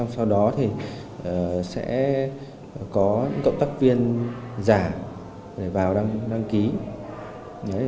sau đó sẽ có những tổng tác viên giả để vào đăng ký